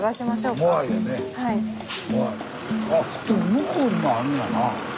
向こうにもあんねやな。